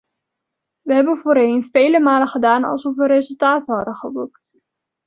We hebben voorheen vele malen gedaan alsof we resultaten hadden geboekt.